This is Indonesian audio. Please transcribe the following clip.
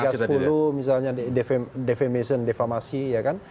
pasal tiga sepuluh misalnya defamation defamasi ya kan